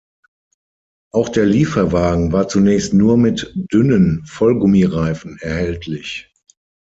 Auch der Lieferwagen war zunächst nur mit dünnen Vollgummireifen erhältlich.